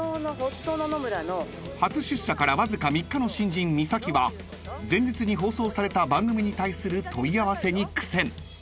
［初出社からわずか３日の新人美咲は前日に放送された番組に対する問い合わせに苦戦］